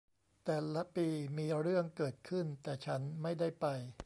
แต่ละปีมีเรื่องเกิดขึ้น แต่ฉันไม่ได้ไป